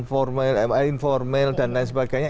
formal informal dan lain sebagainya